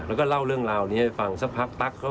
แล้วก็เล่าเรื่องราวนี้ให้ฟังสักพักปั๊ก